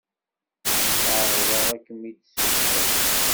Ɛerḍeɣ ad kem-id-ssukkseɣ.